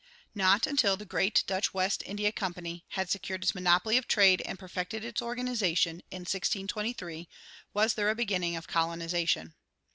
Not until the great Dutch West India Company had secured its monopoly of trade and perfected its organization, in 1623, was there a beginning of colonization.